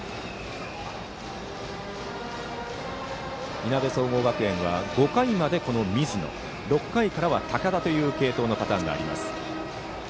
いなべ総合学園は、５回まで水野６回からは高田という継投パターンがあります。